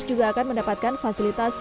juga akan mendapatkan informasi tentang hal lain